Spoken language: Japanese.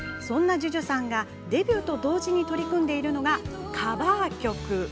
そんなＪＵＪＵさんがデビューと同時に取り組んでいるのが、カバー曲。